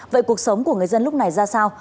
vậy cuộc sống của người dân lúc này ra sao